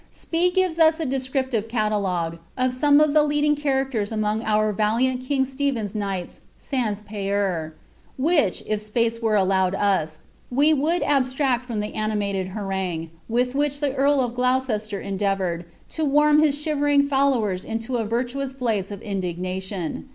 Spned gives ns ■ ilescriptjre ntlalogne of some of the leading characiers among otir valianl king Sl«plwn'> knighls $ani peiir, which, if space were allowed us. we would abstiact from the animated harangue with which the earl of Gloucestsr endn *oure<I to warm his shivering followers into a virtuous blaze of iadign» tion.